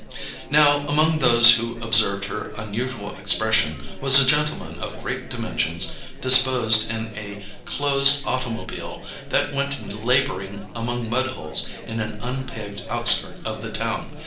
Now, among those who observed her unusual expression was a gentleman of great dimensions disposed in a closed automobile that went labouring among mudholes in an unpaved outskirt of the town.